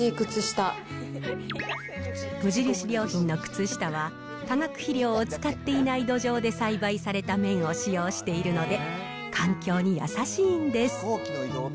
無印良品の靴下は、化学肥料を使っていない土壌で栽培された綿を使用しているので、環境に優しいんです。